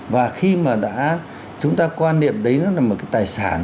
và khi mà đã chúng ta quan niệm đấy nó là một cái tài sản